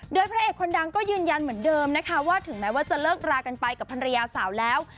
โดยพระเอกคนดังก็ยืนยันเหมือนเดิมนะคะว่าถึงแม้ว่าจะเลิกรากันไปกับภรรยาสาวแล้ว